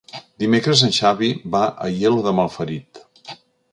Dimecres en Xavi va a Aielo de Malferit.